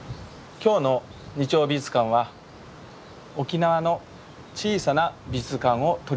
今日の「日曜美術館」は沖縄の小さな美術館を取り上げます。